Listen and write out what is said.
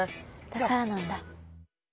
だからなんだ。